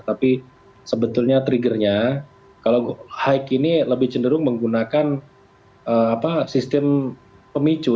tapi sebetulnya triggernya kalau high ini lebih cenderung menggunakan sistem pemicu